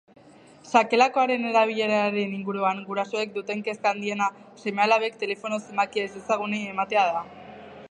Sakelakoaren erabileraren inguruan gurasoek duten kezka handiena seme-alabek telefono zenbakia ezezagunei ematea da.